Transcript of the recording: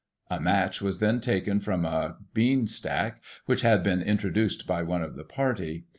A match was then taken from a bean stack, which had been introduced by one of the party.